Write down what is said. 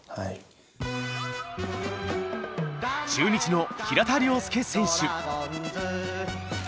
中日の平田良介選手。